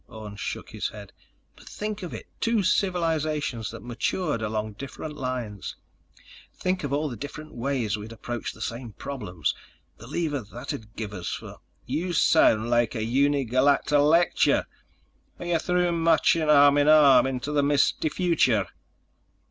Orne shook his head. "But think of it: Two civilizations that matured along different lines! Think of all the different ways we'd approach the same problems ... the lever that'd give us for—" "You sound like a Uni Galacta lecture! Are you through marching arm in arm into the misty future?"